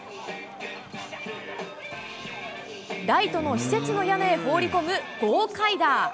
ライトの施設の屋根へ放り込む豪快打。